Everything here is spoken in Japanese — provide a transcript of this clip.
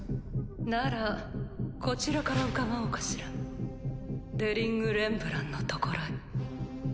ならこちらから伺おうかしらデリング・レンブランのところへ。